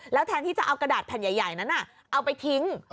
แทนที่จะเอากระดาษแผ่นใหญ่นั้นเอาไปทิ้ง